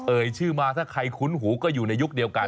เอ่ยชื่อมาถ้าใครคุ้นหูก็อยู่ในยุคเดียวกัน